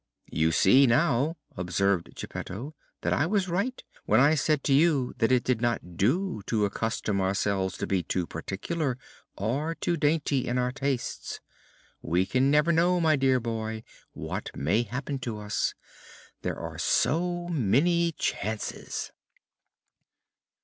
"You see, now," observed Geppetto, "that I was right when I said to you that it did not do to accustom ourselves to be too particular or too dainty in our tastes. We can never know, my dear boy, what may happen to us. There are so many chances!"